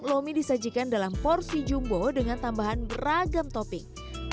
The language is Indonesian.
lomi disajikan dalam porsi jumbo dengan tambahan beragam topping